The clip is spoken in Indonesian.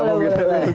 boleh boleh boleh